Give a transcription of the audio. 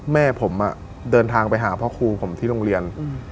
แม่ผมเดินทางไปหาพ่อครูผมที่โรงเรียน